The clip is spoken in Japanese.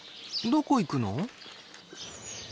どこ行くの？